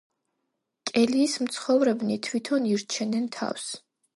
კელიის მცხოვრებნი თვითონ ირჩენენ თავს.